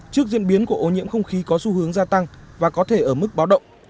trước diễn biến của ô nhiễm không khí có xu hướng gia tăng và có thể ở mức báo động